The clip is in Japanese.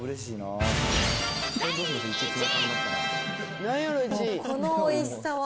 第１位。